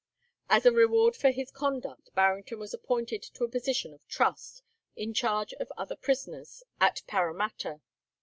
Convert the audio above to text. As a reward for his conduct, Barrington was appointed to a position of trust, in charge of other prisoners at Paramatta.